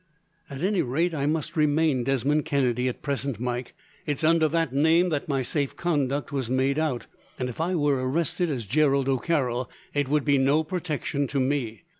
"At any rate, I must remain Desmond Kennedy at present, Mike. It is under that name that my safe conduct was made out, and if I were arrested as Gerald O'Carroll, it would be no protection to me.